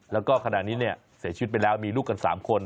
แล้วก็ขณะนี้เนี่ยเสียชีวิตไปแล้วมีลูกกัน๓คน